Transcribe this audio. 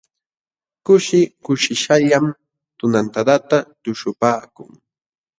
Kushi kushishqallam tunantadata tuśhupaakun.